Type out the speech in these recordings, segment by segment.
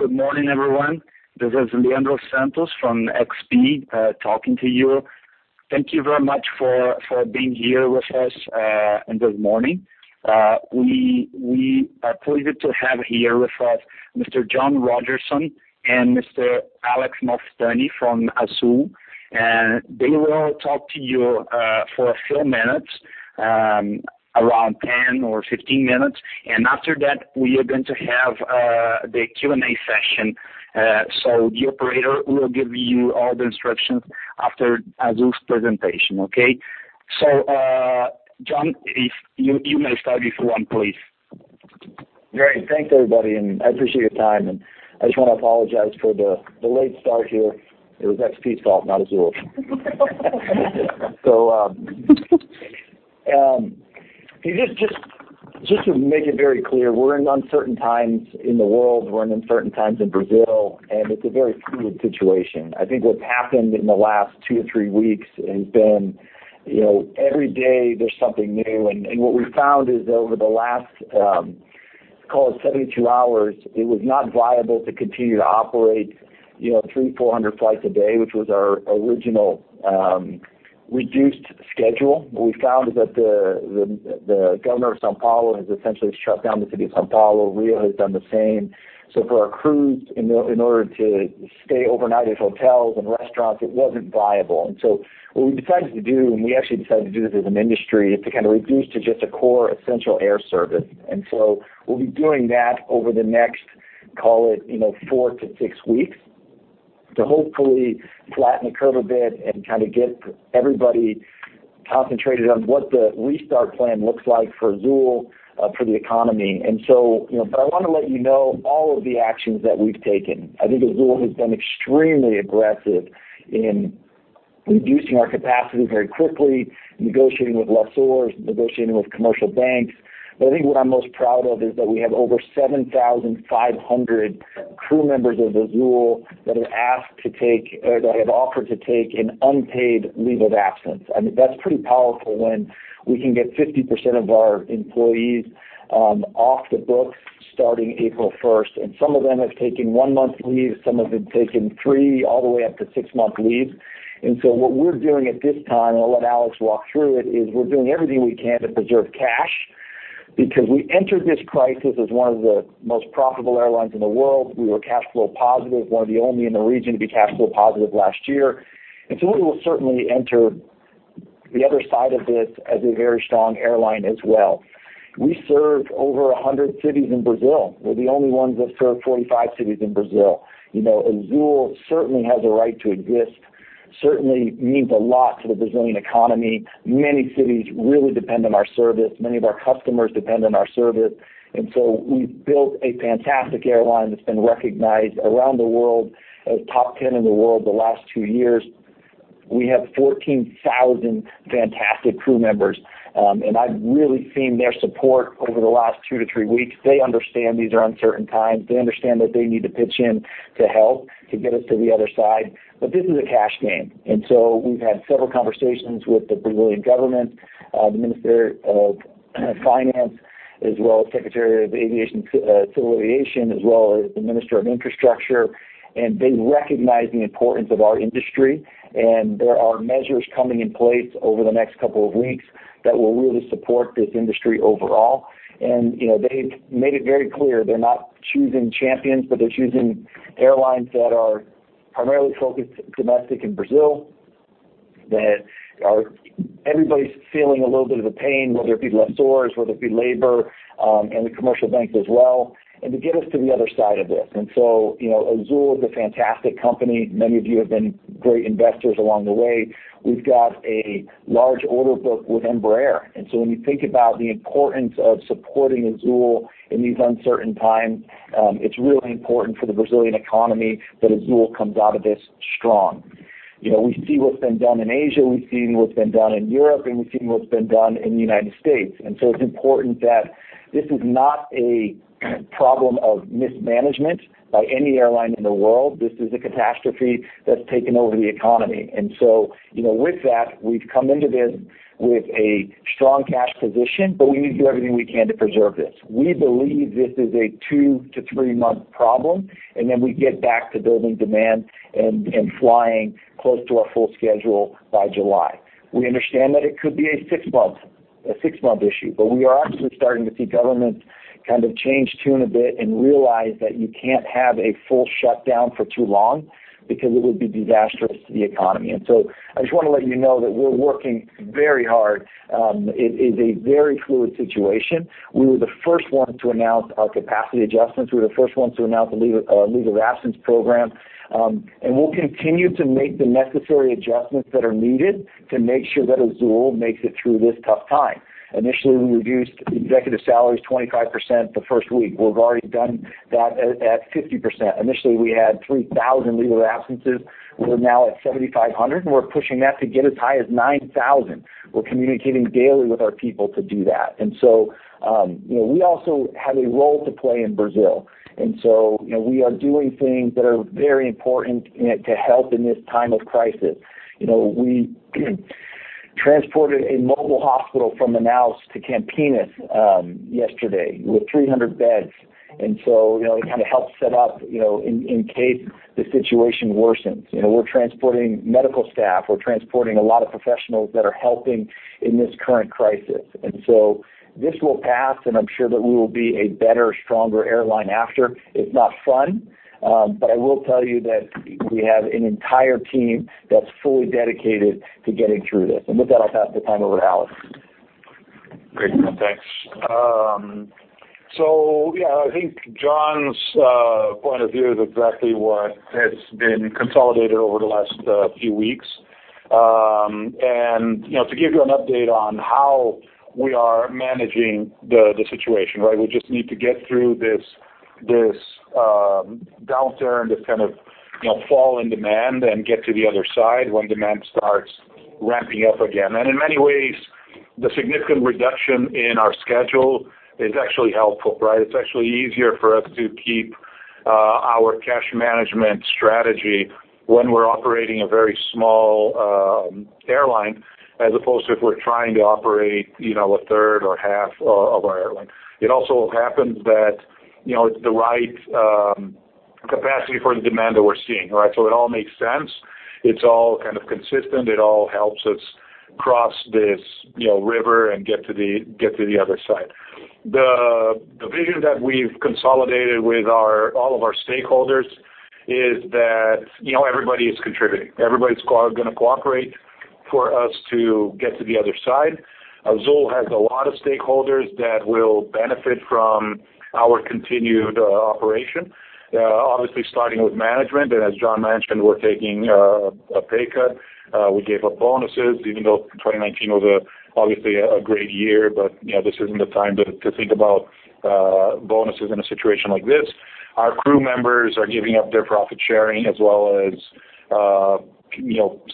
Hello. Good morning, everyone. This is Leandro Santos from XP talking to you. Thank you very much for being here with us this morning. We are pleased to have here with us Mr. John Rodgerson and Mr. Alex Malfitani from Azul. They will talk to you for a few minutes, around 10 or 15 minutes. After that, we are going to have the Q&A session. The operator will give you all the instructions after Azul's presentation. Okay? John, you may start if you want, please. Great. Thanks, everybody, I appreciate your time. I just want to apologize for the late start here. It was XP's fault, not Azul's. Just to make it very clear, we're in uncertain times in the world. We're in uncertain times in Brazil, and it's a very fluid situation. I think what's happened in the last two to three weeks has been every day there's something new. What we've found is that over the last, call it 72 hours, it was not viable to continue to operate 300, 400 flights a day, which was our original reduced schedule. What we've found is that the governor of São Paulo has essentially shut down the city of São Paulo. Rio has done the same. For our crews, in order to stay overnight at hotels and restaurants, it wasn't viable. What we decided to do, and we actually decided to do this as an industry, is to kind of reduce to just a core essential air service. We'll be doing that over the next, call it four to six weeks, to hopefully flatten the curve a bit and kind of get everybody concentrated on what the restart plan looks like for Azul, for the economy. I want to let you know all of the actions that we've taken. I think Azul has been extremely aggressive in reducing our capacity very quickly, negotiating with lessors, negotiating with commercial banks. I think what I'm most proud of is that we have over 7,500 crew members of Azul that have offered to take an unpaid leave of absence. I mean, that's pretty powerful when we can get 50% of our employees off the books starting April 1st. Some of them have taken one month leave. Some of them have taken three all the way up to six-month leave. What we're doing at this time, and I'll let Alex walk through it, is we're doing everything we can to preserve cash because we entered this crisis as one of the most profitable airlines in the world. We were cash flow positive, one of the only in the region to be cash flow positive last year. We will certainly enter the other side of this as a very strong airline as well. We serve over 100 cities in Brazil. We're the only ones that serve 45 cities in Brazil. Azul certainly has a right to exist, certainly means a lot to the Brazilian economy. Many cities really depend on our service. Many of our customers depend on our service. We've built a fantastic airline that's been recognized around the world as top 10 in the world the last two years. We have 14,000 fantastic crew members. I've really seen their support over the last two to three weeks. They understand these are uncertain times. They understand that they need to pitch in to help to get us to the other side. This is a cash game. We've had several conversations with the Brazilian government, the Minister of Finance, as well as Secretary of Civil Aviation, as well as the Minister of Infrastructure. They recognize the importance of our industry. There are measures coming in place over the next couple of weeks that will really support this industry overall. They've made it very clear they're not choosing champions, but they're choosing airlines that are primarily focused domestic in Brazil, that are everybody's feeling a little bit of a pain, whether it be lessors, whether it be labor, and the commercial banks as well, and to get us to the other side of this. Azul is a fantastic company. Many of you have been great investors along the way. We've got a large order book with Embraer. So when you think about the importance of supporting Azul in these uncertain times, it's really important for the Brazilian economy that Azul comes out of this strong. We see what's been done in Asia, we've seen what's been done in Europe, and we've seen what's been done in the United States. It's important that this is not a problem of mismanagement by any airline in the world. This is a catastrophe that's taken over the economy. With that, we've come into this with a strong cash position, but we need to do everything we can to preserve this. We believe this is a two- to three-month problem, and then we get back to building demand and flying close to our full schedule by July. We understand that it could be a six-month issue, but we are actually starting to see government kind of change tune a bit and realize that you can't have a full shutdown for too long because it would be disastrous to the economy. I just want to let you know that we're working very hard. It is a very fluid situation. We were the first ones to announce our capacity adjustments. We were the first ones to announce a leave of absence program. We'll continue to make the necessary adjustments that are needed to make sure that Azul makes it through this tough time. Initially, we reduced executive salaries 25% the first week. We've already done that at 50%. Initially, we had 3,000 leave of absences. We're now at 7,500, and we're pushing that to get as high as 9,000. We're communicating daily with our people to do that. We also have a role to play in Brazil. We are doing things that are very important to help in this time of crisis. We transported a mobile hospital from Manaus to Campinas yesterday with 300 beds. It kind of helps set up in case the situation worsens. We're transporting medical staff, we're transporting a lot of professionals that are helping in this current crisis. This will pass, and I'm sure that we will be a better, stronger airline after. It's not fun, but I will tell you that we have an entire team that's fully dedicated to getting through this. With that, I'll pass the time over to Alex. Great, John. Thanks. Yeah, I think John's point of view is exactly what has been consolidated over the last few weeks. To give you an update on how we are managing the situation, right? We just need to get through this downturn, this kind of fall in demand and get to the other side when demand starts ramping up again. In many ways, the significant reduction in our schedule is actually helpful, right? It's actually easier for us to keep our cash management strategy when we're operating a very small airline, as opposed to if we're trying to operate a third or half of our airline. It also happens that it's the right capacity for the demand that we're seeing, right? It all makes sense. It's all kind of consistent. It all helps us cross this river and get to the other side. The vision that we've consolidated with all of our stakeholders is that everybody is contributing. Everybody's going to cooperate for us to get to the other side. Azul has a lot of stakeholders that will benefit from our continued operation. Obviously starting with management, and as John mentioned, we're taking a pay cut. We gave up bonuses even though 2019 was obviously a great year, but this isn't the time to think about bonuses in a situation like this. Our crew members are giving up their profit sharing as well as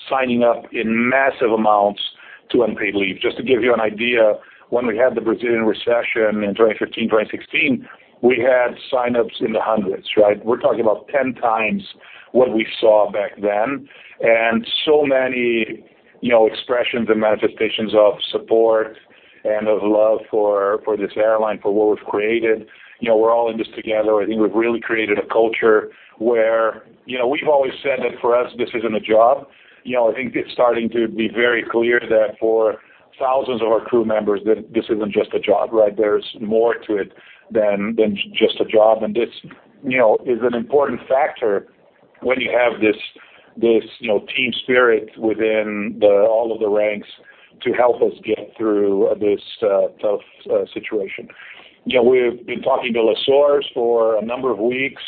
signing up in massive amounts to unpaid leave. Just to give you an idea, when we had the Brazilian recession in 2015, 2016, we had sign-ups in the hundreds, right? We're talking about 10 times what we saw back then. So many expressions and manifestations of support and of love for this airline, for what we've created. We're all in this together. I think we've really created a culture where we've always said that for us, this isn't a job. I think it's starting to be very clear that for thousands of our crew members, that this isn't just a job, right? There's more to it than just a job. This is an important factor when you have this team spirit within all of the ranks to help us get through this tough situation. We've been talking to lessors for a number of weeks.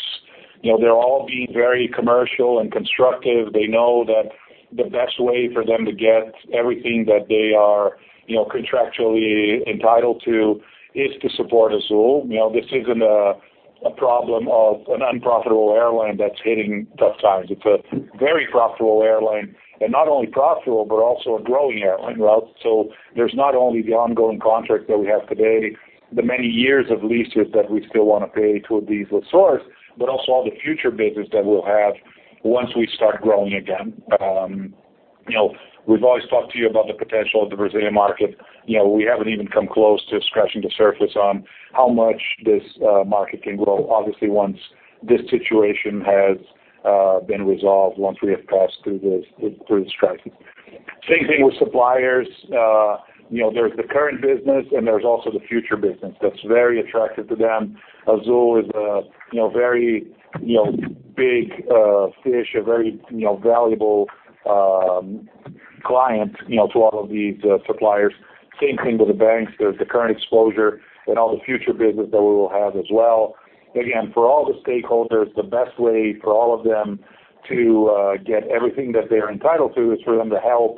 They're all being very commercial and constructive. They know that the best way for them to get everything that they are contractually entitled to is to support Azul. This isn't a problem of an unprofitable airline that's hitting tough times. It's a very profitable airline, and not only profitable, but also a growing airline, right? There's not only the ongoing contracts that we have today, the many years of leases that we still want to pay to these lessors, but also all the future business that we'll have once we start growing again. We've always talked to you about the potential of the Brazilian market. We haven't even come close to scratching the surface on how much this market can grow. Obviously, once this situation has been resolved, once we have passed through the strike. Same thing with suppliers. There's the current business, and there's also the future business that's very attractive to them. Azul is a very big fish, a very valuable client to all of these suppliers. Same thing with the banks. There's the current exposure and all the future business that we will have as well. Again, for all the stakeholders, the best way for all of them to get everything that they're entitled to is for them to help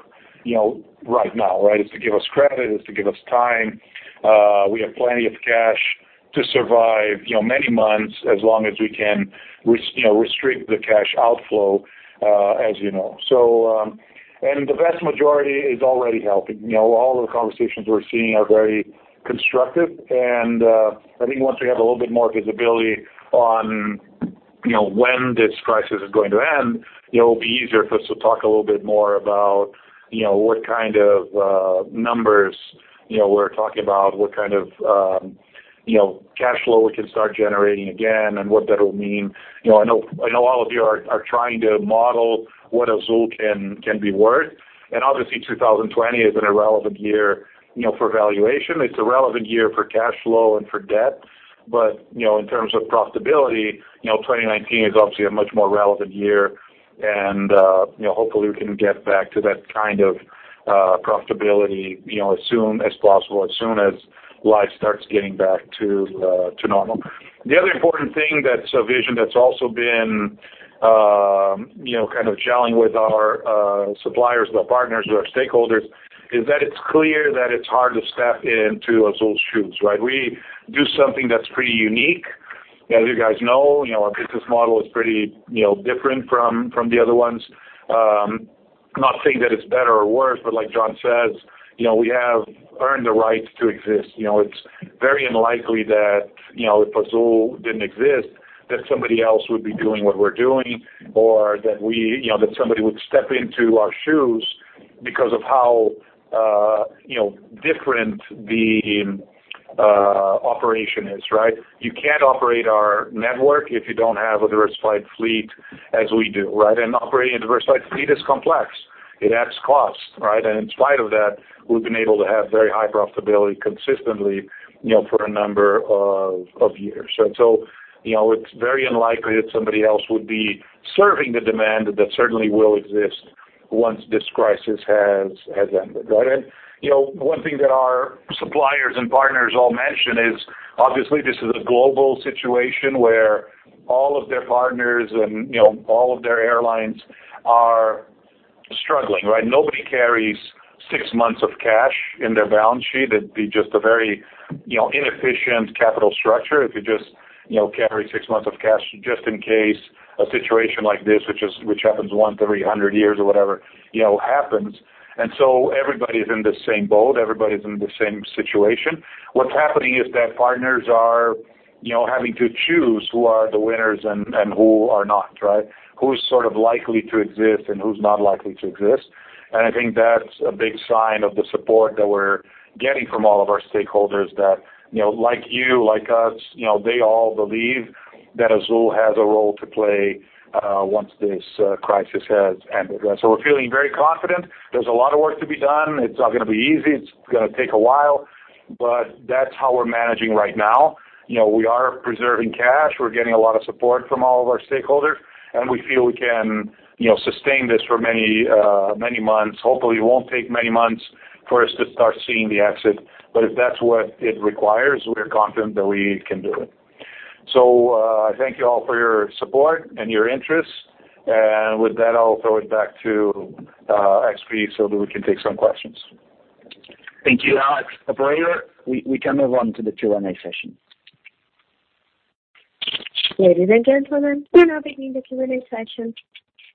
right now, right? It's to give us credit. It's to give us time. We have plenty of cash to survive many months as long as we can restrict the cash outflow, as you know. The vast majority is already helping. All of the conversations we're seeing are very constructive, and I think once we have a little bit more visibility on when this crisis is going to end, it'll be easier for us to talk a little bit more about what kind of numbers we're talking about, what kind of cash flow we can start generating again, and what that'll mean. I know all of you are trying to model what Azul can be worth. Obviously, 2020 isn't a relevant year for valuation. It's a relevant year for cash flow and for debt. In terms of profitability, 2019 is obviously a much more relevant year. Hopefully we can get back to that kind of profitability as soon as possible, as soon as life starts getting back to normal. The other important thing that's a vision that's also been kind of gelling with our suppliers, with our partners, with our stakeholders, is that it's clear that it's hard to step into Azul's shoes, right? We do something that's pretty unique. As you guys know, our business model is pretty different from the other ones. Not saying that it's better or worse, but like John says, We have earned the right to exist. It's very unlikely that if Azul didn't exist, that somebody else would be doing what we're doing, or that somebody would step into our shoes because of how different the operation is, right? You can't operate our network if you don't have a diversified fleet as we do. Operating a diversified fleet is complex. It adds cost. In spite of that, we've been able to have very high profitability consistently, for a number of years. It's very unlikely that somebody else would be serving the demand that certainly will exist once this crisis has ended. One thing that our suppliers and partners all mention is, obviously, this is a global situation where all of their partners and all of their airlines are struggling. Nobody carries six months of cash in their balance sheet. That'd be just a very inefficient capital structure if you just carry six months of cash just in case a situation like this, which happens once every 100 years or whatever, happens. Everybody's in the same boat, everybody's in the same situation. What's happening is that partners are having to choose who are the winners and who are not. Who's likely to exist and who's not likely to exist. I think that's a big sign of the support that we're getting from all of our stakeholders that, like you, like us, they all believe that Azul has a role to play once this crisis has ended. We're feeling very confident. There's a lot of work to be done. It's not going to be easy. It's going to take a while, but that's how we're managing right now. We are preserving cash. We're getting a lot of support from all of our stakeholders, and we feel we can sustain this for many months. Hopefully it won't take many months for us to start seeing the exit, but if that's what it requires, we're confident that we can do it. Thank you all for your support and your interest. With that, I'll throw it back to XP so that we can take some questions. Thank you, Alex. Operator, we can move on to the Q&A session. Ladies and gentlemen, we're now beginning the Q&A session.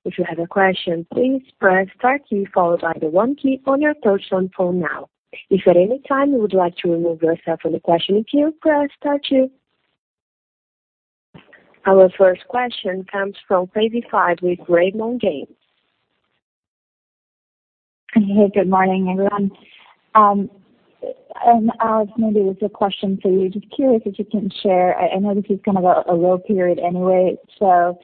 If you have a question, please press star key followed by the one key on your touch-tone phone now. If at any time you would like to remove yourself from the question queue, press star two. Our first question comes from Savi Syth with Raymond James. Hey, good morning, everyone. Alex, maybe this is a question for you. Just curious if you can share, I know this is a low period anyway, so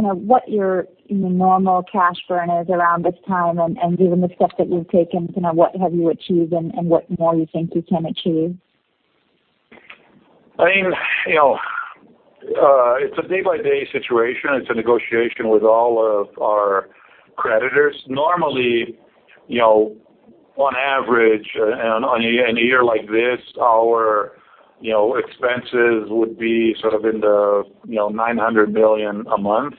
what your normal cash burn is around this time and given the steps that you've taken, what have you achieved and what more you think you can achieve? It's a day-by-day situation. It's a negotiation with all of our creditors. Normally, on average, on a year like this, our expenses would be in the $900 million a month.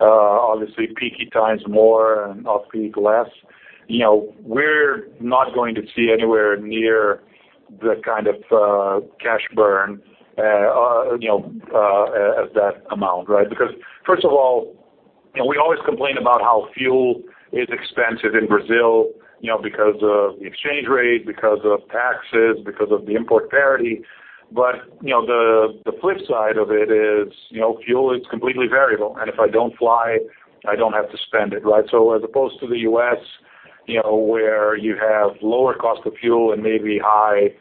Obviously peaky times more and off peak less. We're not going to see anywhere near the kind of cash burn as that amount. First of all, we always complain about how fuel is expensive in Brazil because of the exchange rate, because of taxes, because of the import parity. The flip side of it is, fuel is completely variable, and if I don't fly, I don't have to spend it. As opposed to the U.S., where you have lower cost of fuel and maybe high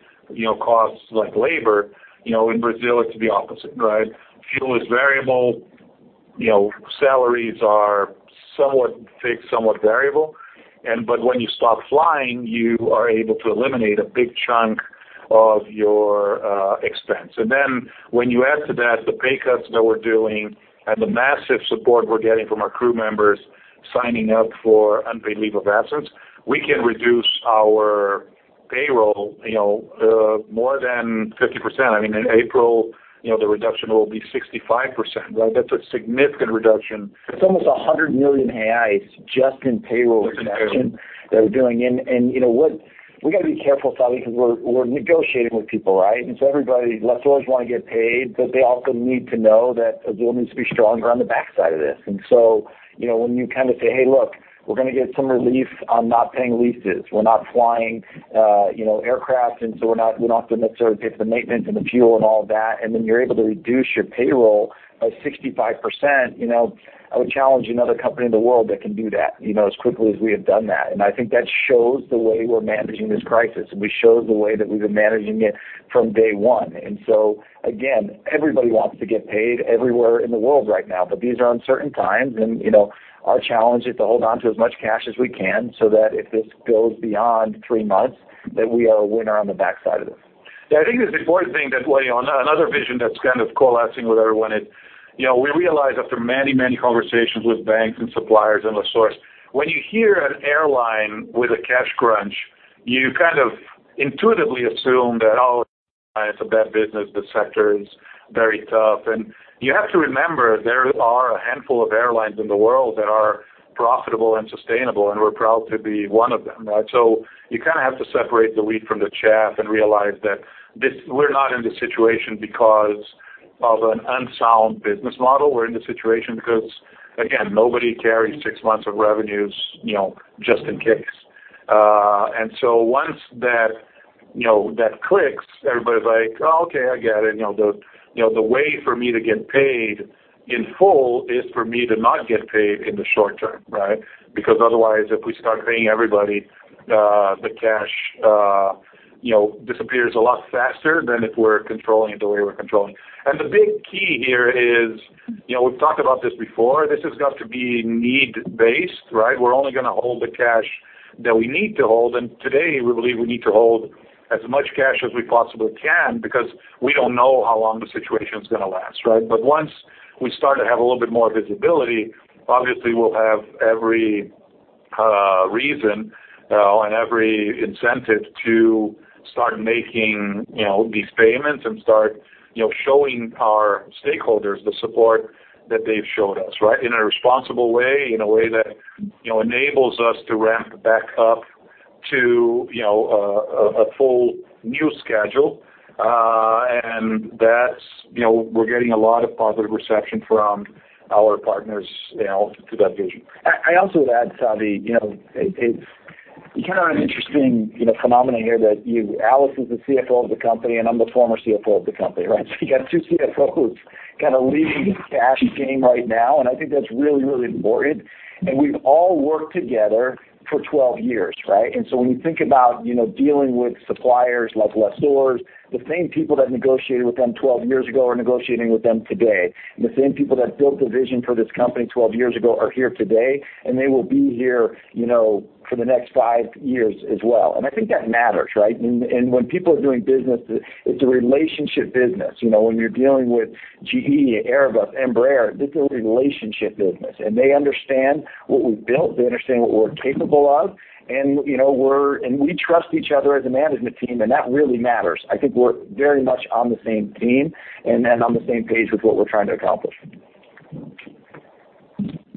costs like labor, in Brazil it's the opposite. Fuel is variable. Salaries are somewhat fixed, somewhat variable. When you stop flying, you are able to eliminate a big chunk of your expense. When you add to that the pay cuts that we're doing and the massive support we're getting from our crew members signing up for unpaid leave of absence, we can reduce our payroll more than 50%. In April, the reduction will be 65%. That's a significant reduction. It's almost 100 million reais just in payroll reduction. Just in payroll. That we're doing. We got to be careful, Fabio, because we're negotiating with people. Everybody, less always want to get paid, but they also need to know that Azul needs to be stronger on the backside of this. When you say, "Hey, look, we're going to get some relief on not paying leases. We're not flying aircraft, and so we're not going to necessarily pay for the maintenance and the fuel and all of that." You're able to reduce your payroll by 65%, I would challenge another company in the world that can do that as quickly as we have done that. I think that shows the way we're managing this crisis, and we showed the way that we've been managing it from day one. Again, everybody wants to get paid everywhere in the world right now, but these are uncertain times, and our challenge is to hold onto as much cash as we can, so that if this goes beyond three months, that we are a winner on the backside of this. Yeah, I think there's a fourth thing that way, on another vision that is coalescing with everyone. We realize after many conversations with banks and suppliers and lessors, when you hear an airline with a cash crunch, you intuitively assume that, oh, it is a bad business. The sector is very tough. You have to remember, there are a handful of airlines in the world that are profitable and sustainable, and we are proud to be one of them. You have to separate the wheat from the chaff and realize that we are not in this situation because of an unsound business model. We are in this situation because, again, nobody carries six months of revenues just in case. Once that clicks, everybody is like, "Oh, okay, I get it. The way for me to get paid in full is for me to not get paid in the short term," right? Otherwise, if we start paying everybody, the cash disappears a lot faster than if we're controlling it the way we're controlling. The big key here is, we've talked about this before, this has got to be need-based, right? We're only going to hold the cash that we need to hold, and today we believe we need to hold as much cash as we possibly can because we don't know how long the situation's going to last, right? Once we start to have a little bit more visibility, obviously we'll have every reason and every incentive to start making these payments and start showing our stakeholders the support that they've showed us, right? In a responsible way, in a way that enables us to ramp back up to a full new schedule. We're getting a lot of positive reception from our partners to that vision. I also would add, Savi, it's kind of an interesting phenomenon here that Alex is the CFO of the company and I'm the former CFO of the company, right? You got two CFOs kind of leading the cash game right now, and I think that's really, really important. We've all worked together for 12 years, right? When you think about dealing with suppliers like Lessors, the same people that negotiated with them 12 years ago are negotiating with them today, and the same people that built the vision for this company 12 years ago are here today, and they will be here for the next five years as well. I think that matters, right? When people are doing business, it's a relationship business. When you're dealing with GE, Airbus, Embraer, this is a relationship business, and they understand what we've built, they understand what we're capable of, and we trust each other as a management team, and that really matters. I think we're very much on the same team and on the same page with what we're trying to accomplish.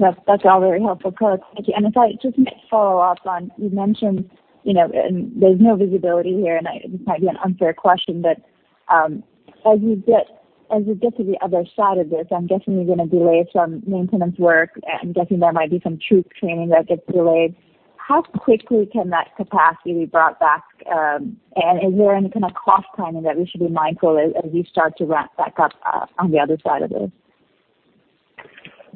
That's all very helpful, folks. Thank you. If I just may follow up on, you mentioned there's no visibility here, and this might be an unfair question, but as you get to the other side of this, I'm guessing you're going to delay some maintenance work. I'm guessing there might be some troop training that gets delayed. How quickly can that capacity be brought back? Is there any kind of cross-timing that we should be mindful as we start to ramp back up on the other side of this?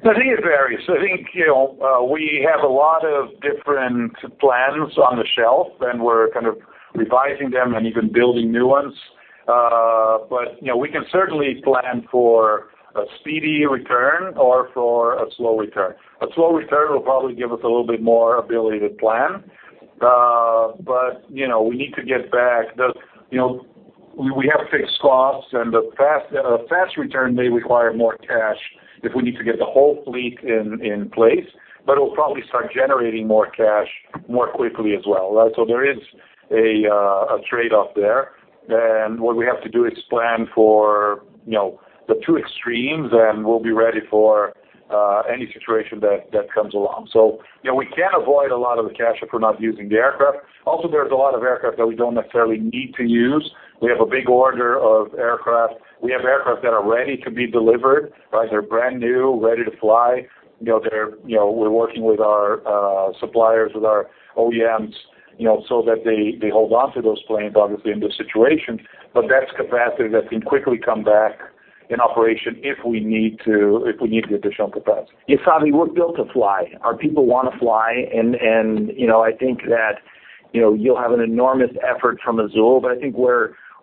I think it varies. I think we have a lot of different plans on the shelf, and we're kind of revising them and even building new ones. We can certainly plan for a speedy return or for a slow return. A slow return will probably give us a little bit more ability to plan. We need to get back. We have fixed costs and a fast return may require more cash if we need to get the whole fleet in place, but it'll probably start generating more cash more quickly as well. There is a trade-off there. What we have to do is plan for the two extremes, and we'll be ready for any situation that comes along. We can avoid a lot of the cash if we're not using the aircraft. Also, there's a lot of aircraft that we don't necessarily need to use. We have a big order of aircraft. We have aircraft that are ready to be delivered, right? They're brand new, ready to fly. We're working with our suppliers, with our OEMs, so that they hold onto those planes, obviously, in this situation. That's capacity that can quickly come back in operation if we need the additional capacity. Yeah, Savi, we're built to fly. Our people want to fly, and I think that you'll have an enormous effort from Azul, but I think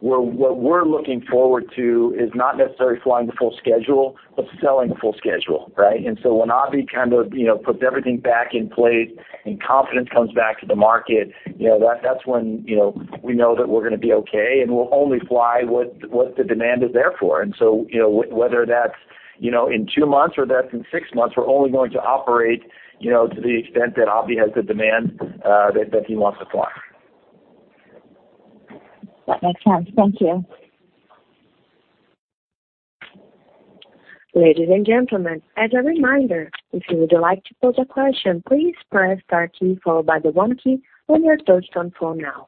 what we're looking forward to is not necessarily flying the full schedule, but selling the full schedule, right? When Abhi kind of puts everything back in place and confidence comes back to the market, that's when we know that we're going to be okay, and we'll only fly what the demand is there for. Whether that's in two months or that's in six months, we're only going to operate to the extent that Abhi has the demand that he wants to fly. That makes sense. Thank you. Ladies and gentlemen, as a reminder, if you would like to pose a question, please press star key followed by the one key on your touch-tone phone now.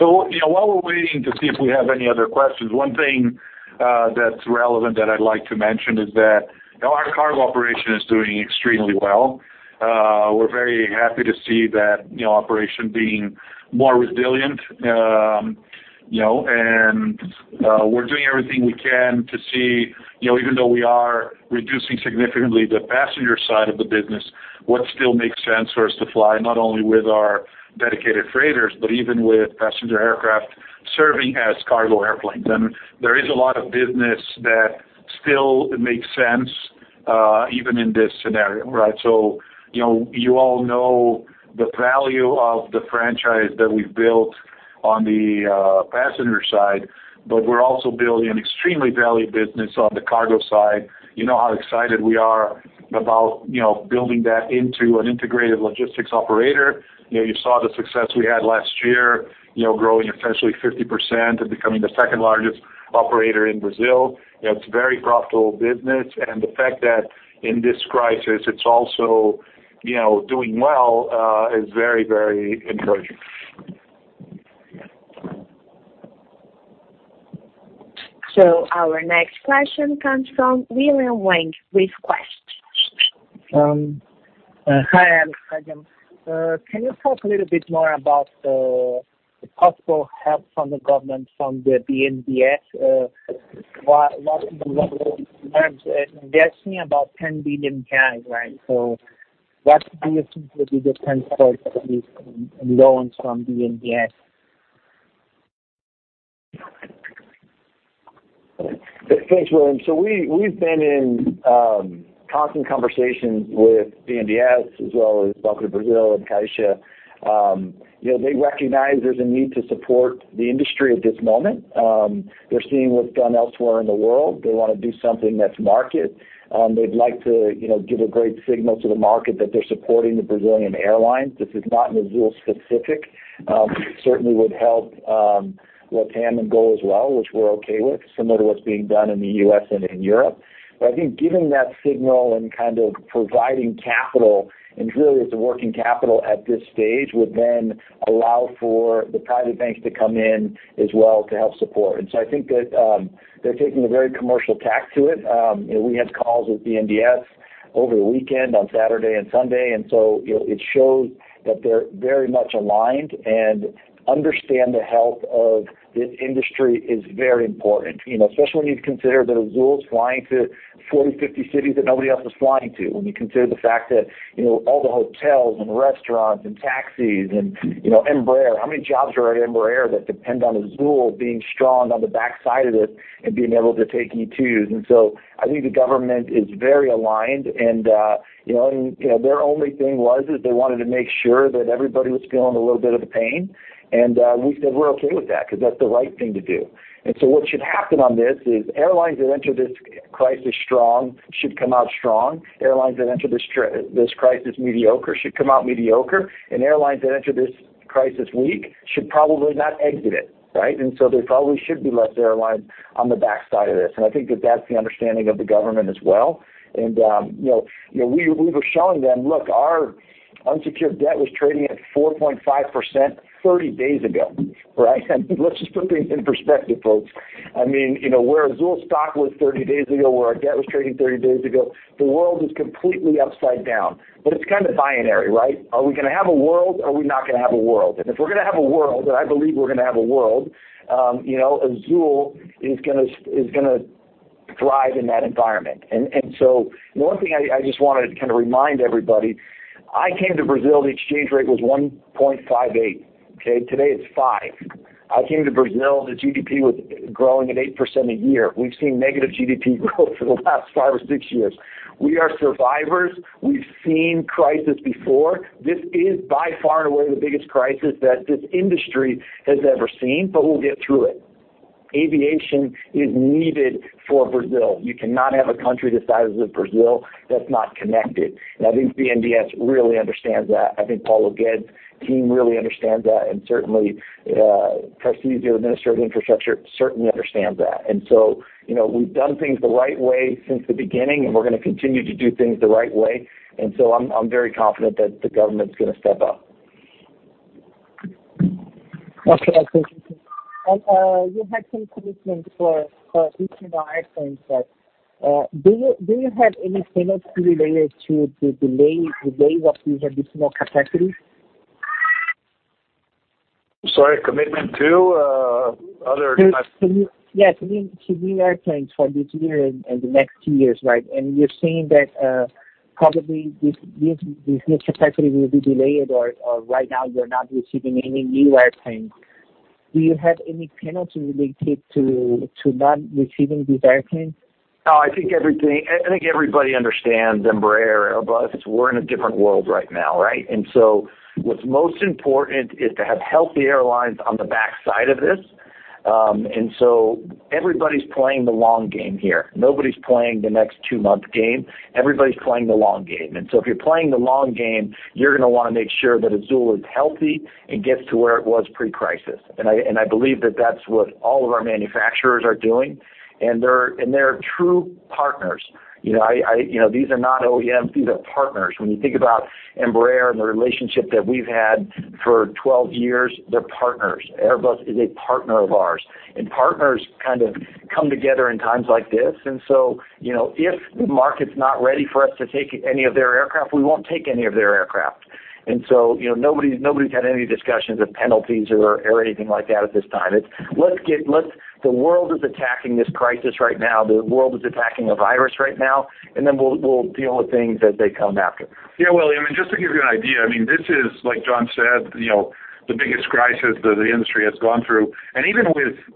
While we're waiting to see if we have any other questions, one thing that's relevant that I'd like to mention is that our cargo operation is doing extremely well. We're very happy to see that operation being more resilient. We're doing everything we can to see, even though we are reducing significantly the passenger side of the business, what still makes sense for us to fly, not only with our dedicated freighters, but even with passenger aircraft serving as cargo airplanes. There is a lot of business that still makes sense. Even in this scenario, right? You all know the value of the franchise that we've built on the passenger side, but we're also building an extremely valued business on the cargo side. You know how excited we are about building that into an integrated logistics operator. You saw the success we had last year, growing potentially 50% and becoming the second-largest operator in Brazil. It's a very profitable business, and the fact that in this crisis it's also doing well is very encouraging. Our next question comes from William Wang with Quest. Hi, John. Can you talk a little bit more about the possible help from the government, from the BNDES? A lot of people are looking at that. They're asking about 10 billion, right? What do you think will be the tenfold of these loans from BNDES? Thanks, William. We've been in constant conversations with BNDES as well as Banco do Brasil and Caixa. They recognize there's a need to support the industry at this moment. They're seeing what's done elsewhere in the world. They want to do something that's market. They'd like to give a great signal to the market that they're supporting the Brazilian airlines. This is not Azul specific. It certainly would help LATAM and Gol as well, which we're okay with, similar to what's being done in the U.S. and in Europe. I think giving that signal and kind of providing capital, and really it's a working capital at this stage, would then allow for the private banks to come in as well to help support. I think that they're taking a very commercial tack to it. We had calls with BNDES over the weekend on Saturday and Sunday, and so it shows that they're very much aligned and understand the health of this industry is very important. Especially when you consider that Azul is flying to 40, 50 cities that nobody else is flying to. When you consider the fact that all the hotels and restaurants and taxis and Embraer, how many jobs are at Embraer that depend on Azul being strong on the backside of this and being able to take E2s? I think the government is very aligned, and their only thing was that they wanted to make sure that everybody was feeling a little bit of the pain. We said we're okay with that because that's the right thing to do. What should happen on this is airlines that enter this crisis strong should come out strong. Airlines that enter this crisis mediocre should come out mediocre. Airlines that enter this crisis weak should probably not exit it, right? There probably should be less airlines on the backside of this, and I think that that's the understanding of the government as well. We were showing them, look, our unsecured debt was trading at 4.5% 30 days ago, right? Let's just put things in perspective, folks. Where Azul stock was 30 days ago, where our debt was trading 30 days ago, the world is completely upside down. It's kind of binary, right? Are we going to have a world? Are we not going to have a world? If we're going to have a world, and I believe we're going to have a world, Azul is going to thrive in that environment. One thing I just wanted to kind of remind everybody, I came to Brazil, the exchange rate was 1.58, okay? Today, it's five. I came to Brazil, the GDP was growing at 8% a year. We've seen negative GDP growth for the last five or six years. We are survivors. We've seen crisis before. This is by far and away the biggest crisis that this industry has ever seen, but we'll get through it. Aviation is needed for Brazil. You cannot have a country the size of Brazil that's not connected, and I think BNDES really understands that. I think Paulo Guedes' team really understands that, and certainly, Tarcísio de Freitas, Minister of Infrastructure, certainly understands that. We've done things the right way since the beginning, and we're going to continue to do things the right way. I'm very confident that the government's going to step up. Okay. Thank you. You had some commitments for additional airplanes. Do you have any penalty related to the delay of these additional capacities? Sorry, commitment to. Yes. New airplanes for this year and the next two years, right? You're saying that probably this new capacity will be delayed or right now you're not receiving any new airplanes. Do you have any penalty related to not receiving these airplanes? No, I think everybody understands Embraer, Airbus. We're in a different world right now, right? What's most important is to have healthy airlines on the backside of this. Everybody's playing the long game here. Nobody's playing the next two-month game. Everybody's playing the long game. If you're playing the long game, you're going to want to make sure that Azul is healthy and gets to where it was pre-crisis. I believe that that's what all of our manufacturers are doing, and they're true partners. These are not OEMs, these are partners. When you think about Embraer and the relationship that we've had for 12 years, they're partners. Airbus is a partner of ours. Partners kind of come together in times like this. If the market's not ready for us to take any of their aircraft, we won't take any of their aircraft. Nobody's had any discussions of penalties or anything like that at this time. The world is attacking this crisis right now. The world is attacking a virus right now, and then we'll deal with things as they come after. Yeah, William, just to give you an idea, this is, like John said, the biggest crisis that the industry has gone through, even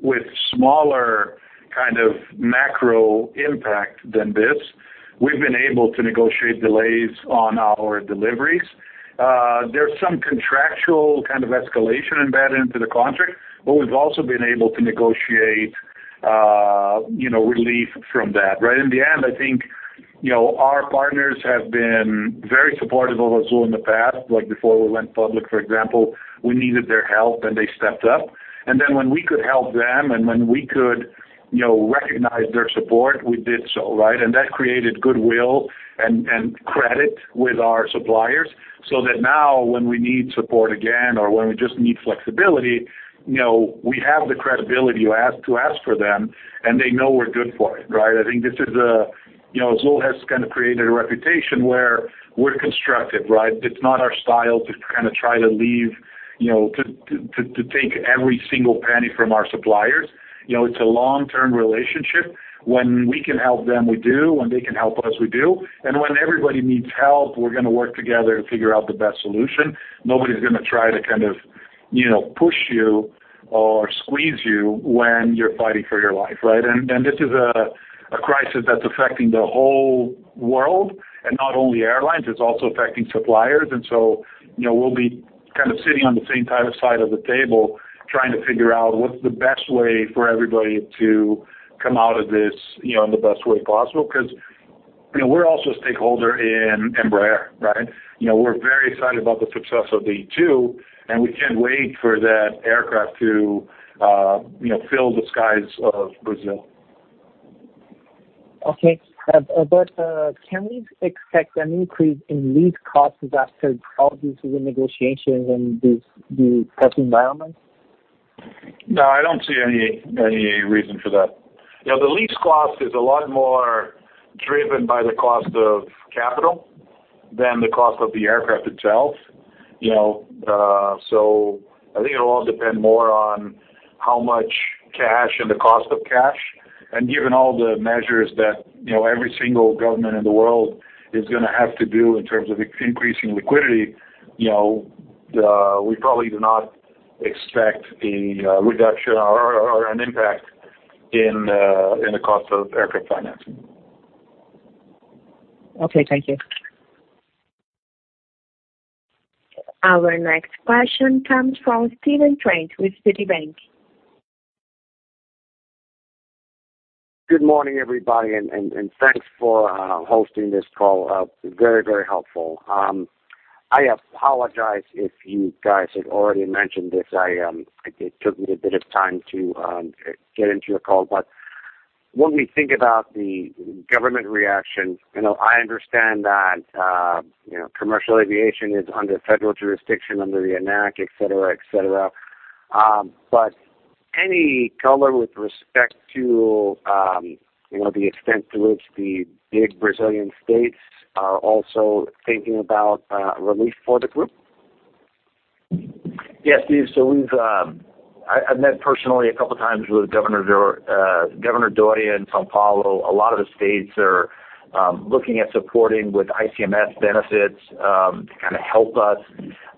with smaller kind of macro impact than this. We've been able to negotiate delays on our deliveries. There's some contractual kind of escalation embedded into the contract, but we've also been able to negotiate relief from that. In the end, I think, our partners have been very supportive of Azul in the past. Like before we went public, for example, we needed their help, and they stepped up. Then when we could help them and when we could recognize their support, we did so, right? That created goodwill and credit with our suppliers so that now when we need support again or when we just need flexibility, we have the credibility to ask for them, and they know we're good for it. I think Azul has kind of created a reputation where we're constructive, right? It's not our style to kind of try to take every single penny from our suppliers. It's a long-term relationship. When we can help them, we do. When they can help us, we do. When everybody needs help, we're going to work together to figure out the best solution. Nobody's going to try to kind of push you or squeeze you when you're fighting for your life, right? This is a crisis that's affecting the whole world and not only airlines. It's also affecting suppliers, and so we'll be kind of sitting on the same side of the table trying to figure out what's the best way for everybody to come out of this in the best way possible because we're also a stakeholder in Embraer, right? We're very excited about the success of the E2, and we can't wait for that aircraft to fill the skies of Brazil. Okay. Can we expect an increase in lease costs as a result of the negotiations in this new present environment? No, I don't see any reason for that. The lease cost is a lot more driven by the cost of capital than the cost of the aircraft itself. I think it'll all depend more on how much cash and the cost of cash, and given all the measures that every single government in the world is going to have to do in terms of increasing liquidity. We probably do not expect a reduction or an impact in the cost of aircraft financing. Okay. Thank you. Our next question comes from Stephen Trent with Citibank. Good morning, everybody. Thanks for hosting this call. Very, very helpful. I apologize if you guys had already mentioned this. It took me a bit of time to get into your call. When we think about the government reaction, I understand that commercial aviation is under federal jurisdiction under the ANAC, et cetera. Any color with respect to the extent to which the big Brazilian states are also thinking about relief for the group? Yes, Steve, I've met personally a couple of times with Governor Doria in São Paulo. A lot of the states are looking at supporting with ICMS benefits to kind of help us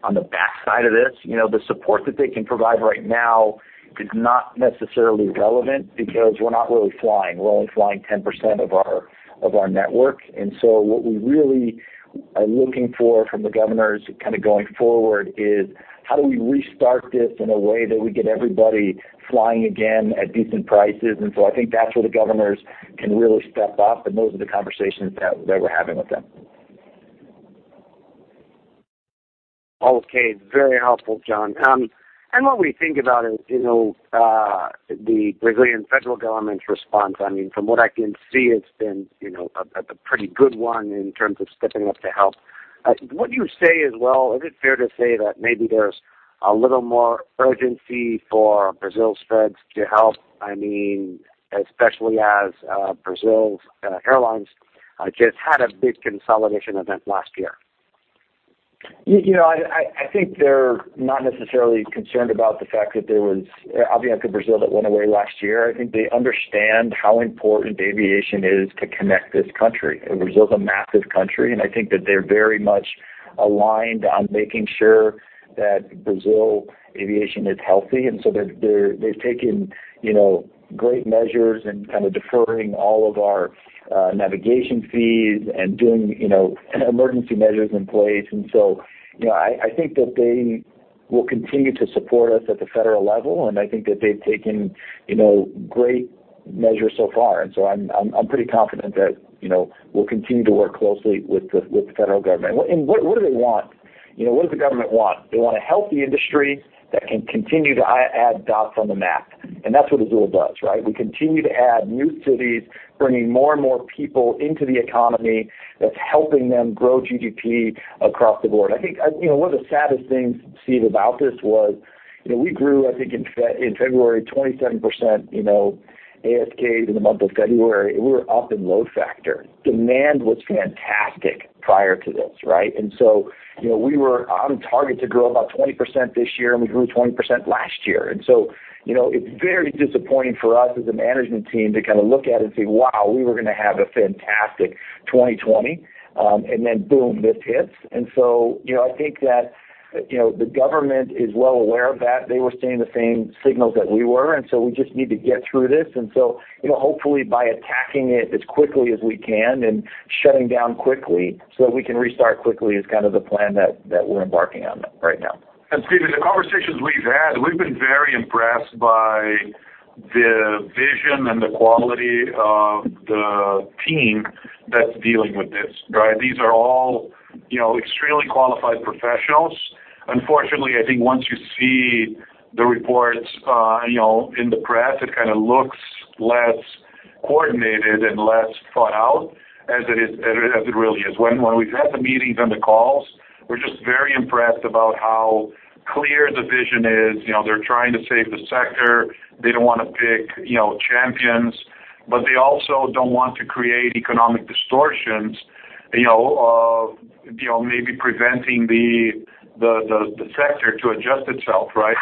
on the backside of this. The support that they can provide right now is not necessarily relevant because we're not really flying. We're only flying 10% of our network. What we really are looking for from the governors kind of going forward is how do we restart this in a way that we get everybody flying again at decent prices? I think that's where the governors can really step up, and those are the conversations that we're having with them. Okay. Very helpful, John. When we think about it, the Brazilian federal government's response, from what I can see, it's been a pretty good one in terms of stepping up to help. Would you say as well, is it fair to say that maybe there's a little more urgency for Brazil steps to help, especially as Brazil's airlines just had a big consolidation event last year? I think they're not necessarily concerned about the fact that there was Avianca Brasil that went away last year. I think they understand how important aviation is to connect this country. Brazil is a massive country, and I think that they're very much aligned on making sure that Brazil aviation is healthy, and so they've taken great measures in kind of deferring all of our navigation fees and doing emergency measures in place. I think that they will continue to support us at the federal level, and I think that they've taken great measures so far. I'm pretty confident that we'll continue to work closely with the federal government. What do they want? What does the government want? They want a healthy industry that can continue to add dots on the map. That's what Azul does, right? We continue to add new cities, bringing more and more people into the economy that's helping them grow GDP across the board. I think one of the saddest things, Steve, about this was we grew, I think, in February, 27% ASKs in the month of February. We were up in load factor. Demand was fantastic prior to this, right? We were on target to grow about 20% this year, and we grew 20% last year. It's very disappointing for us as a management team to kind of look at it and say, wow, we were going to have a fantastic 2020, and then boom, this hits. I think that the government is well aware of that. They were seeing the same signals that we were, and so we just need to get through this. Hopefully by attacking it as quickly as we can and shutting down quickly so that we can restart quickly is kind of the plan that we're embarking on right now. Stephen, the conversations we've had, we've been very impressed by the vision and the quality of the team that's dealing with this. These are all extremely qualified professionals. Unfortunately, I think once you see the reports in the press, it kind of looks less coordinated and less thought out as it really is. When we've had the meetings and the calls, we're just very impressed about how clear the vision is. They're trying to save the sector. They don't want to pick champions, but they also don't want to create economic distortions, maybe preventing the sector to adjust itself, right?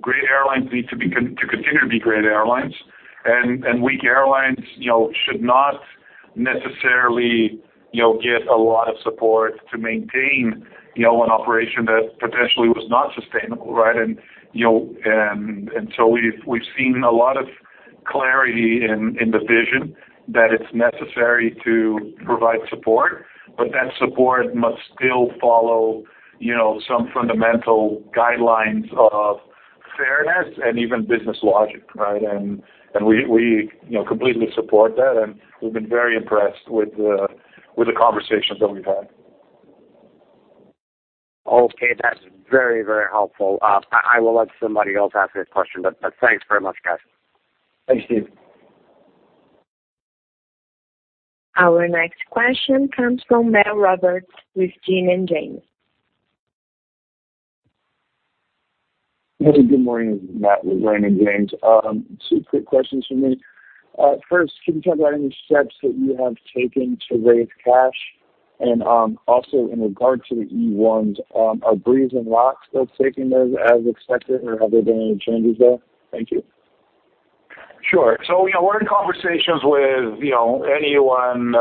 Great airlines need to continue to be great airlines, weak airlines should not necessarily get a lot of support to maintain an operation that potentially was not sustainable, right? We've seen a lot of clarity in the vision that it's necessary to provide support, that support must still follow some fundamental guidelines of fairness and even business logic. We completely support that, we've been very impressed with the conversations that we've had. Okay. That's very helpful. I will let somebody else ask this question, but thanks very much, guys. Thanks, Steve. Our next question comes from Matthew Roberts with Raymond James. Good morning. This is Matt with Raymond James. Two quick questions from me. First, can you talk about any steps that you have taken to raise cash? Also in regard to the E1s, are Breeze and LOT still taking those as expected, or have there been any changes there? Thank you. Sure. We're in conversations with anyone,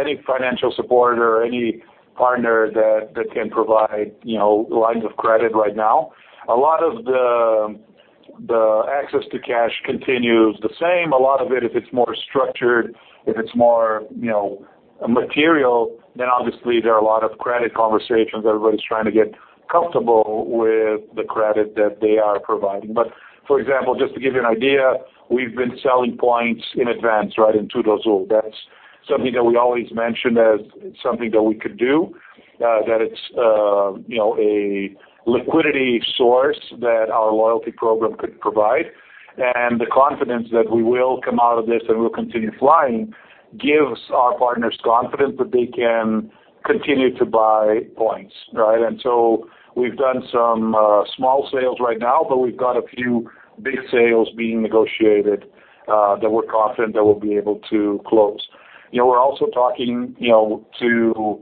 any financial supporter, any partner that can provide lines of credit right now. A lot of the access to cash continues the same. A lot of it, if it's more structured, if it's more material, obviously there are a lot of credit conversations. Everybody's trying to get comfortable with the credit that they are providing. For example, just to give you an idea, we've been selling points in advance into those. That's something that we always mention as something that we could do, that it's a liquidity source that our loyalty program could provide. The confidence that we will come out of this and we'll continue flying gives our partners confidence that they can continue to buy points, right? We've done some small sales right now, but we've got a few big sales being negotiated that we're confident that we'll be able to close. We're also talking to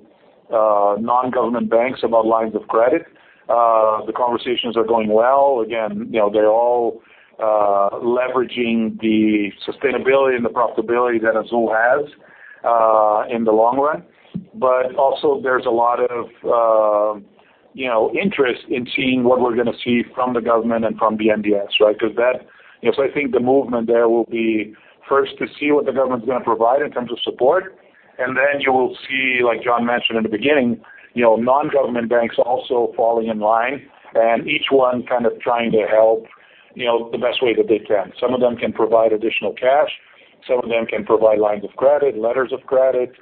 non-government banks about lines of credit. The conversations are going well. Again, they're all leveraging the sustainability and the profitability that Azul has in the long run. Also, there's a lot of interest in seeing what we're going to see from the government and from BNDES. I think the movement there will be first to see what the government is going to provide in terms of support, and then you will see, like John mentioned in the beginning, non-government banks also falling in line and each one kind of trying to help the best way that they can. Some of them can provide additional cash. Some of them can provide lines of credit, letters of credit,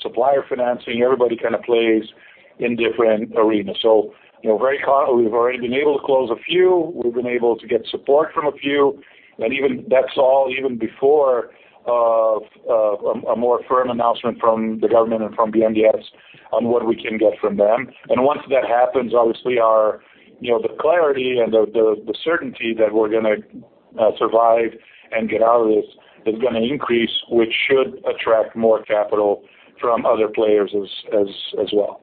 supplier financing. Everybody kind of plays in different arenas. We've already been able to close a few. We've been able to get support from a few. That's all even before a more firm announcement from the government and from BNDES on what we can get from them. Once that happens, obviously the clarity and the certainty that we're going to survive and get out of this is going to increase, which should attract more capital from other players as well.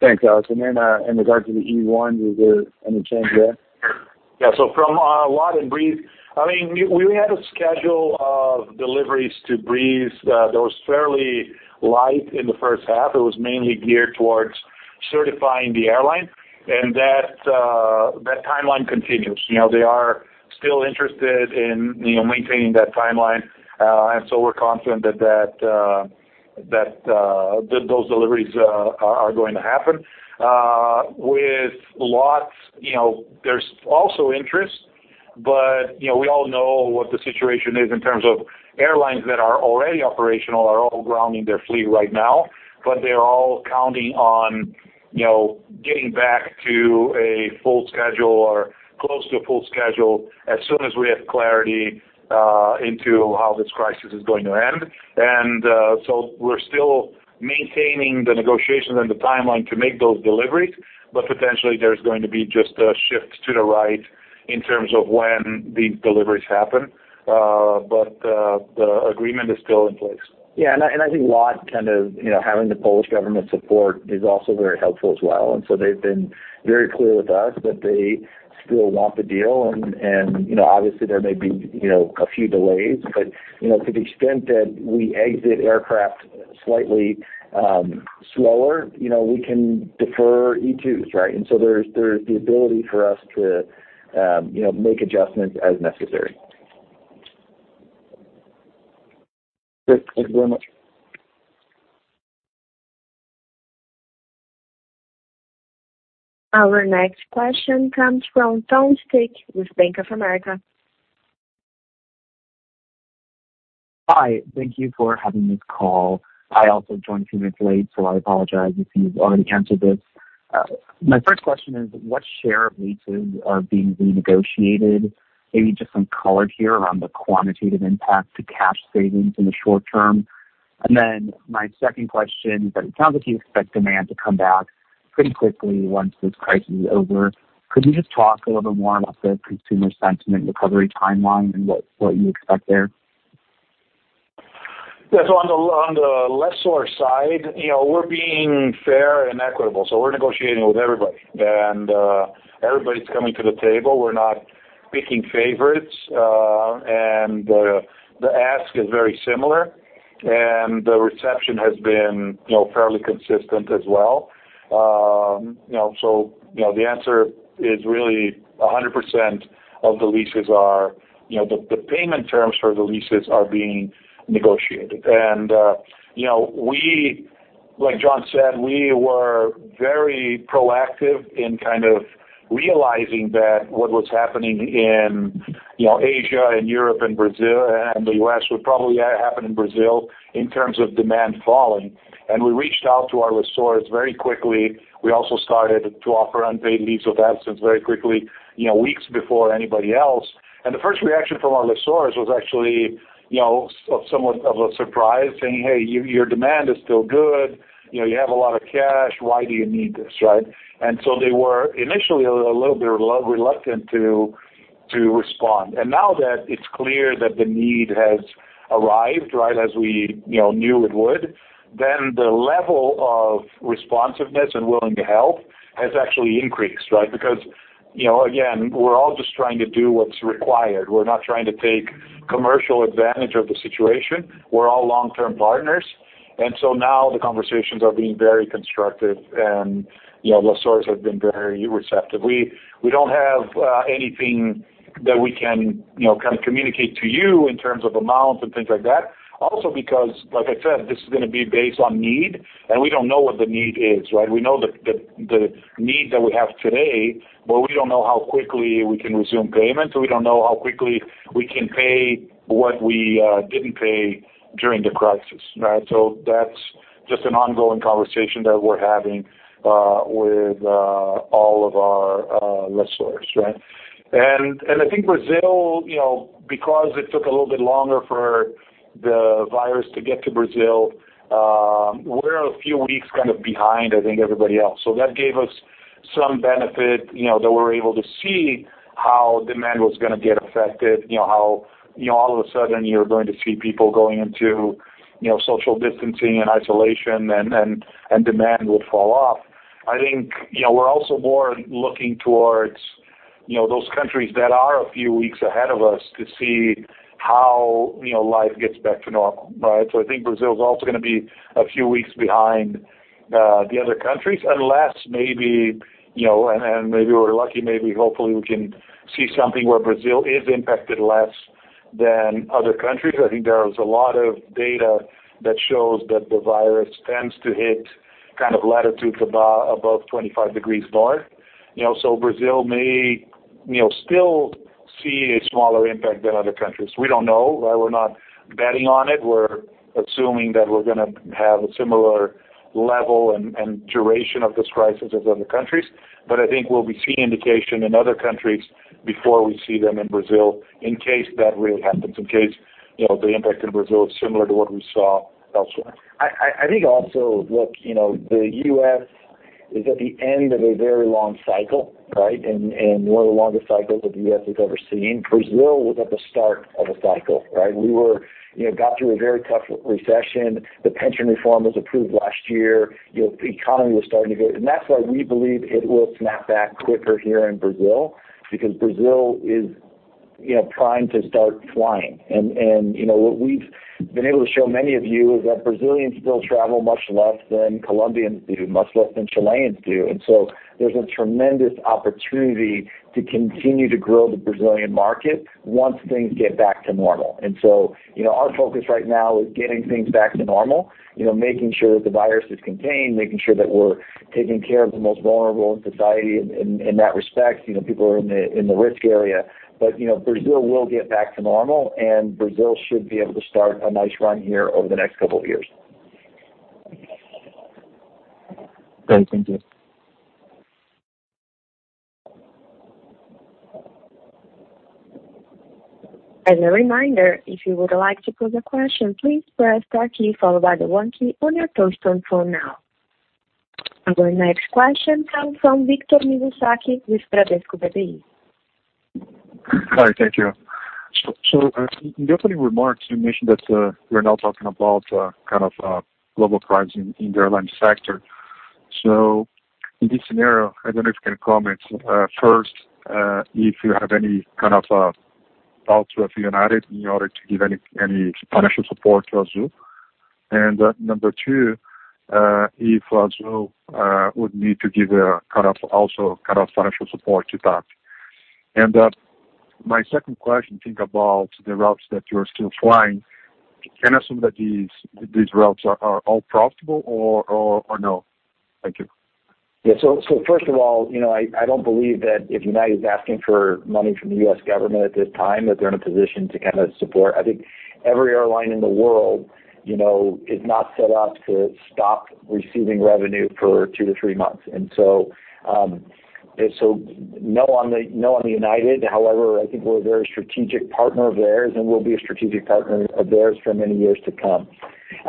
Thanks, Alex. Then in regard to the E1, is there any change there? Yeah. From LOT and Breeze, we had a schedule of deliveries to Breeze that was fairly light in the first half. It was mainly geared towards certifying the airline, and that timeline continues. They are still interested in maintaining that timeline. We're confident that those deliveries are going to happen. With LOT, there's also interest, but we all know what the situation is in terms of airlines that are already operational are all grounding their fleet right now. They're all counting on getting back to a full schedule or close to a full schedule as soon as we have clarity into how this crisis is going to end. We're still maintaining the negotiations and the timeline to make those deliveries, but potentially there's going to be just a shift to the right in terms of when these deliveries happen. The agreement is still in place. Yeah. I think LOT kind of having the Polish government support is also very helpful as well. They've been very clear with us that they still want the deal, and obviously there may be a few delays, but to the extent that we exit aircraft slightly slower, we can defer E2s, right? There's the ability for us to make adjustments as necessary. Great. Thank you very much. Our next question comes from Tom Stik with Bank of America. Hi. Thank you for having this call. I also joined a few minutes late, so I apologize if you've already answered this. My first question is, what share of leases are being renegotiated? Maybe just some color here around the quantitative impact to cash savings in the short term. My second question is that it sounds like you expect demand to come back pretty quickly once this crisis is over. Could you just talk a little bit more about the consumer sentiment recovery timeline and what you expect there? Yeah. On the lessor side, we're being fair and equitable, so we're negotiating with everybody. Everybody's coming to the table. We're not picking favorites. The ask is very similar, and the reception has been fairly consistent as well. The answer is really 100% of the payment terms for the leases are being negotiated. Like John said, we were very proactive in kind of realizing that what was happening in Asia and Europe and the U.S. would probably happen in Brazil in terms of demand falling. We reached out to our lessors very quickly. We also started to offer unpaid leaves of absence very quickly, weeks before anybody else. The first reaction from our lessors was actually somewhat of a surprise, saying, "Hey, your demand is still good. You have a lot of cash. Why do you need this?" Right? They were initially a little bit reluctant to respond. Now that it's clear that the need has arrived, as we knew it would, then the level of responsiveness and willing to help has actually increased, right? Because, again, we're all just trying to do what's required. We're not trying to take commercial advantage of the situation. We're all long-term partners. Now the conversations are being very constructive, and lessors have been very receptive. We don't have anything that we can communicate to you in terms of amounts and things like that. Also because, like I said, this is going to be based on need, and we don't know what the need is, right? We know the need that we have today, but we don't know how quickly we can resume payments, so we don't know how quickly we can pay what we didn't pay during the crisis, right? That's just an ongoing conversation that we're having with all of our lessors, right? I think Brazil, because it took a little bit longer for the virus to get to Brazil, we're a few weeks kind of behind, I think, everybody else. That gave us some benefit, that we're able to see how demand was gonna get affected, how all of a sudden you're going to see people going into social distancing and isolation, and demand will fall off. I think we're also more looking towards those countries that are a few weeks ahead of us to see how life gets back to normal, right? I think Brazil is also going to be a few weeks behind the other countries, unless maybe, and maybe we are lucky, maybe hopefully we can see something where Brazil is impacted less than other countries. I think there is a lot of data that shows that the virus tends to hit kind of latitudes above 25 degrees north. Brazil may still see a smaller impact than other countries. We do not know. We are not betting on it. We are assuming that we are going to have a similar level and duration of this crisis as other countries. I think we will be seeing indication in other countries before we see them in Brazil in case that really happens, in case the impact in Brazil is similar to what we saw elsewhere. I think also, look, the U.S. is at the end of a very long cycle, right? One of the longest cycles that the U.S. has ever seen. Brazil was at the start of a cycle, right? We got through a very tough recession. The pension reform was approved last year. That's why we believe it will snap back quicker here in Brazil, because Brazil is primed to start flying. What we've been able to show many of you is that Brazilians still travel much less than Colombians do, much less than Chileans do. There's a tremendous opportunity to continue to grow the Brazilian market once things get back to normal. Our focus right now is getting things back to normal, making sure that the virus is contained, making sure that we're taking care of the most vulnerable in society in that respect, people who are in the risk area. Brazil will get back to normal, and Brazil should be able to start a nice run here over the next couple of years. Great. Thank you. As a reminder, if you would like to pose a question, please press star key followed by the one key on your touchtone phone now. Our next question comes from Victor Mizusaki with Bradesco BBI. Hi, thank you. In the opening remarks, you mentioned that we're now talking about kind of global crisis in the airline sector. In this scenario, I don't know if you can comment, first, if you have any kind of thoughts with United in order to give any financial support to Azul? Number two, if Azul would need to give a kind of also financial support to that. My second question, think about the routes that you are still flying. Can I assume that these routes are all profitable or no? Thank you. Yeah. First of all, I don't believe that if United is asking for money from the U.S. government at this time, that they're in a position. I think every airline in the world is not set up to stop receiving revenue for two to three months. No on the United. However, I think we're a very strategic partner of theirs, and we'll be a strategic partner of theirs for many years to come.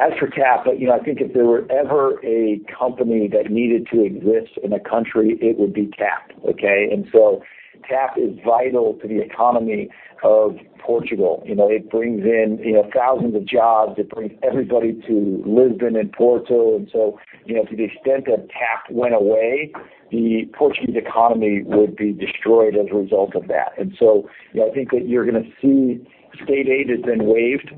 As for TAP, I think if there were ever a company that needed to exist in a country, it would be TAP, okay? TAP is vital to the economy of Portugal. It brings in thousands of jobs. It brings everybody to Lisbon and Porto. To the extent that TAP went away, the Portuguese economy would be destroyed as a result of that. I think that you're going to see state aid has been waived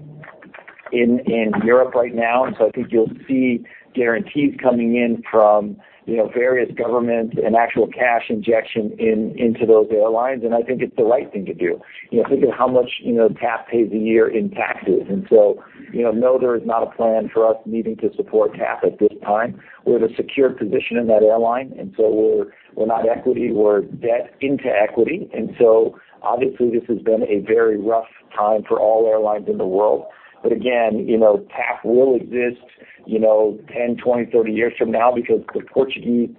in Europe right now. I think you'll see guarantees coming in from various governments and actual cash injection into those airlines. I think it's the right thing to do. Think of how much TAP pays a year in taxes. No, there is not a plan for us needing to support TAP at this time. We have a secure position in that airline, and so we're not equity, we're debt into equity. Obviously this has been a very rough time for all airlines in the world. Again, TAP will exist 10, 20, 30 years from now because the Portuguese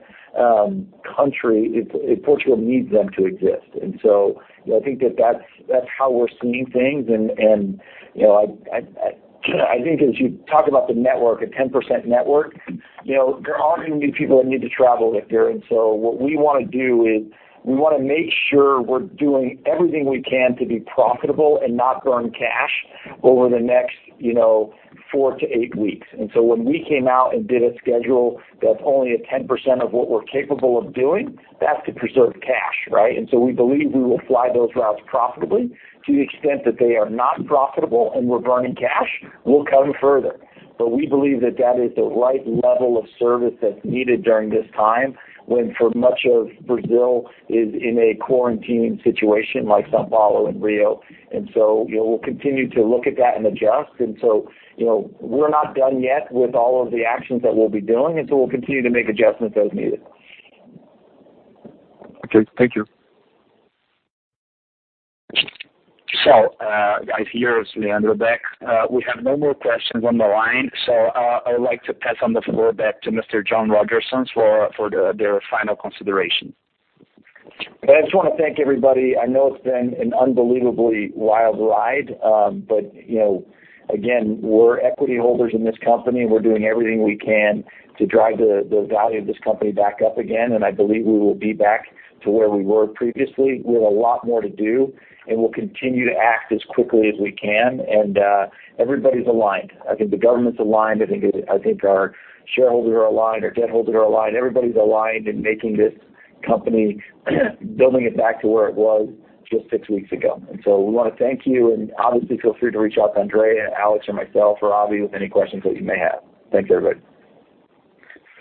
country, Portugal needs them to exist. I think that's how we're seeing things. I think as you talk about the network, a 10% network, there are going to be people that need to travel with you. What we want to do is we want to make sure we're doing everything we can to be profitable and not burn cash over the next four to eight weeks. When we came out and did a schedule that's only at 10% of what we're capable of doing, that's to preserve cash, right? We believe we will fly those routes profitably. To the extent that they are not profitable and we're burning cash, we'll cut them further. We believe that that is the right level of service that's needed during this time when for much of Brazil is in a quarantine situation like São Paulo and Rio. We'll continue to look at that and adjust. We're not done yet with all of the actions that we'll be doing, and so we'll continue to make adjustments as needed. Okay. Thank you. Guys here it's Leandro back. We have no more questions on the line, so I would like to pass on the floor back to Mr. John Rodgerson for their final consideration. I just want to thank everybody. I know it's been an unbelievably wild ride, but again, we're equity holders in this company, and we're doing everything we can to drive the value of this company back up again, and I believe we will be back to where we were previously. We have a lot more to do, and we'll continue to act as quickly as we can. Everybody's aligned. I think the government's aligned. I think our shareholders are aligned, our debt holders are aligned. Everybody's aligned in making this company, building it back to where it was just six weeks ago. We want to thank you, and obviously feel free to reach out to Andre, Alex, or myself, or Avi with any questions that you may have. Thank you, everybody.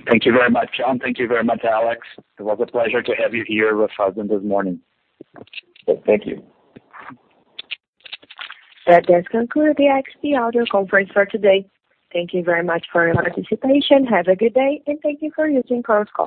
Thank you very much, John. Thank you very much, Alex. It was a pleasure to have you here with us this morning. Thank you. That does conclude the XP audio conference for today. Thank you very much for your participation. Have a good day, and thank you for using Chorus Call.